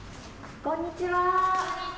こんにちは。